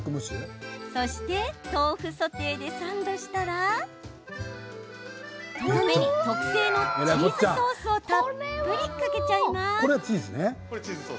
そして、豆腐ソテーでサンドしたらとどめに、特製のチーズソースをたっぷりかけちゃいます。